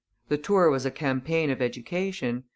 The tour was a campaign of education.